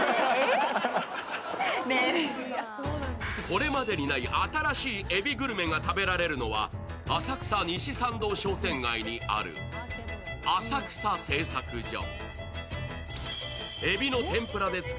これまでにない新しいえびグルメが食べられるのは浅草西参道商店街にある浅草製作所。